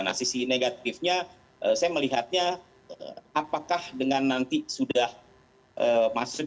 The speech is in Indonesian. nah sisi negatifnya saya melihatnya apakah dengan nanti sudah masuk